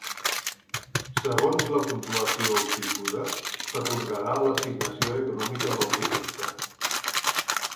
Segons la puntuació obtinguda, s’atorgarà l’assignació econòmica del projecte.